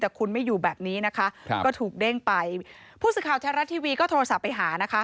แต่คุณไม่อยู่แบบนี้นะคะครับก็ถูกเด้งไปผู้สื่อข่าวแท้รัฐทีวีก็โทรศัพท์ไปหานะคะ